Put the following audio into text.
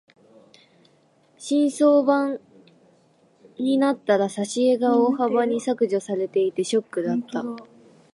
新装版になったら挿絵が大幅に削除されていてショックだった。